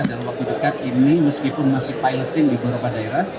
dalam waktu dekat ini meskipun masih piloting di beberapa daerah